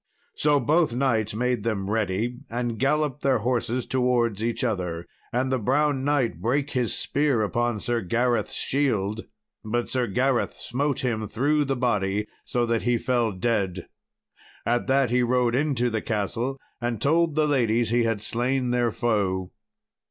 So both knights made them ready and galloped their horses towards each other, and the Brown Knight brake his spear upon Sir Gareth's shield; but Sir Gareth smote him through the body so that he fell dead. At that he rode into the castle and told the ladies he had slain their foe.